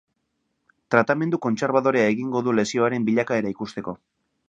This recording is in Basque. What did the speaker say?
Tratamendu konterbadorea egingo du lesioaren bilakaera ikusteko.